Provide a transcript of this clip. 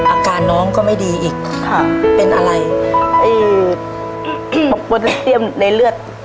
อาการน้องก็ไม่ดีอีกค่ะเป็นอะไรปวดเรียมในเลือด